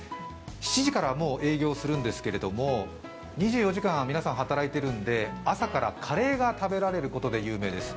７時からもう営業するんですけれども、２４時間、皆さん働いているんで朝からカレーが食べられることで有名です。